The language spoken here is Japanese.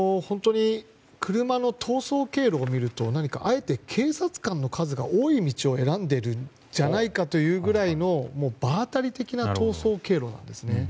車の逃走経路を見るとあえて警察官の数が多い道を選んでいるんじゃないかというくらいの場当たり的な逃走経路ですね。